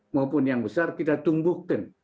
maupun yang besar kita tumbuhkan